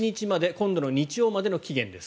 今度の日曜までの期限です。